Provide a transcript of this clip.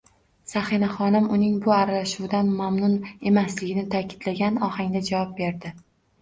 Sanihaxonim, uning bu aralashuvidan mamnun emasligini ta'kidlagan ohangda javob berdi: